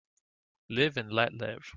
Live and let live.